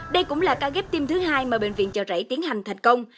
đây cũng là ca ghép tim thứ hai mà bệnh viện chợ rẫy tiến hành thành công